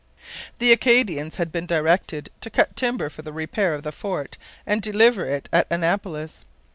The Acadians had been directed to cut timber for the repair of the fort and deliver it at Annapolis.